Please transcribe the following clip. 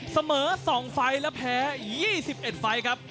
เสมอ๒ไฟล์และแพ้๒๑ไฟล์ครับ